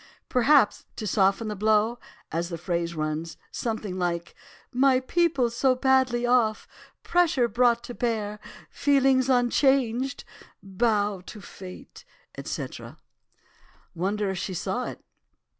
"'Perhaps to soften the blow, as the phrase runs, something like "my people so badly off, pressure brought to bear—feelings unchanged—bow to Fate, etc."' "'Wonder if she saw it?